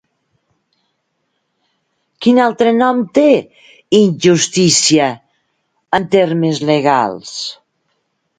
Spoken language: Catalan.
Quin altre nom té “injustícia”, en termes legals?